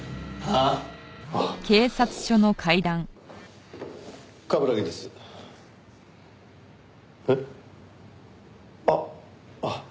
あっああ。